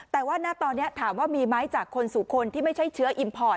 แต่ว่าณตอนนี้ถามว่ามีไหมจากคนสู่คนที่ไม่ใช่เชื้ออิมพอร์ต